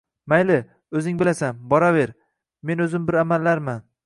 Mayli, oʻzing bilasan. Boraver. Men oʻzim bir amallarman…